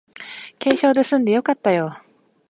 軽傷ですんでよかったよ